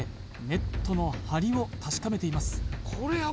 ネットの張りを確かめています